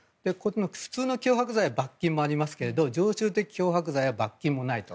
普通の脅迫罪は罰金もありますが常習的脅迫罪は罰金もないと。